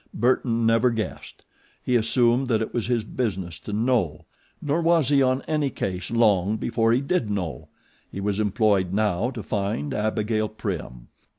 Burton never guessed. He assumed that it was his business to KNOW, nor was he on any case long before he did know. He was employed now to find Abigail Prim.